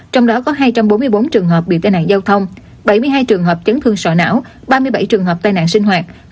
trong đó có hai trăm bốn mươi bốn trường hợp bị tai nạn giao thông bảy mươi hai trường hợp chấn thương sọ não ba mươi bảy trường hợp tai nạn sinh hoạt